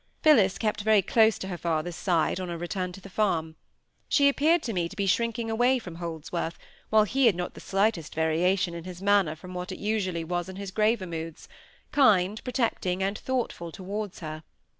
Phillis kept very close to her father's side on our return to the farm. She appeared to me to be shrinking away from Holdsworth, while he had not the slightest variation in his manner from what it usually was in his graver moods; kind, protecting, and thoughtful towards her.